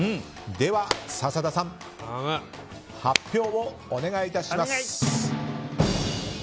では、笹田さん発表をお願いいたします。